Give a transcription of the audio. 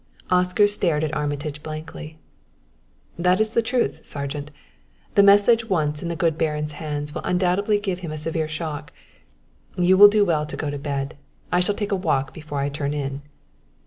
Oscar stared at Armitage blankly. "That is the truth, Sergeant. The message once in the good Baron's hands will undoubtedly give him a severe shock. You will do well to go to bed. I shall take a walk before I turn in."